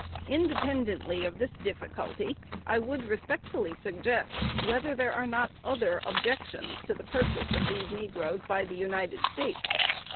Independently of this difficulty, I would respectfully suggest, whether there are not other objections to the purchase of these negroes by the United States?